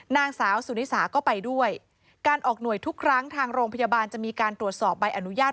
นางสาวสุนิสาก็ไปด้วยการออกหน่วยทุกครั้งทางโรงพยาบาลจะมีการตรวจสอบใบอนุญาต